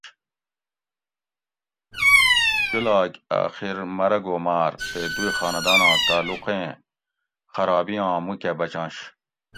جولاگ آخر مرگ اوماۤر تے دوئ خانداناں تعلقیں خرابیاں موکہ بچںش